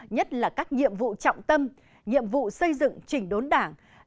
nhất là các nhiệm vụ trọng tâm nhiệm vụ xây dựng chỉnh đốn đảng